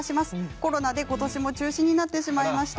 コロナで、ことしも中止になってしまいました。